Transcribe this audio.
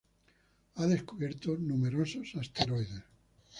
Ha descubierto numerosos asteroides.